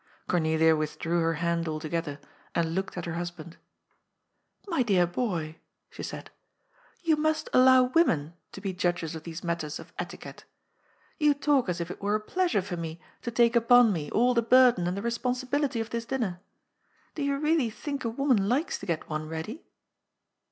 Cornelia withdrew her hand altogether and lofiked at her husband. " My dear boy," she said, " you must allow women to be judges of these matters of etiquette. You talk as if it were a pleasure for me to take upon me all the burden and the responsibility of this dinner. Do you really think a woman likes to get one ready?"